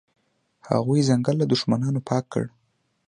هغوی ځنګل له دښمنانو پاک کړ.